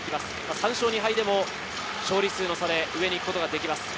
３勝２敗でも勝利数の差で上に行くことができます。